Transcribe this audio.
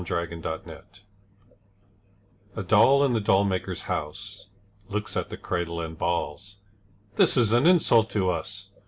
II THE DOLLS A doll in the doll maker's house Looks at the cradle and balls: 'That is an insult to us.'